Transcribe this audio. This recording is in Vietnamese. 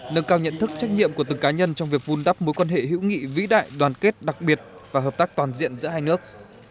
nâng cao nhận thức trách nhiệm của từng cá nhân trong việc vun đắp mối quan hệ hữu nghị vĩ đại đoàn kết đặc biệt và hợp tác toàn diện giữa hai nước